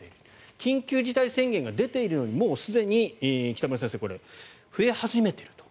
緊急事態宣言が出ているのにもうすでに北村先生これ、増え始めていると。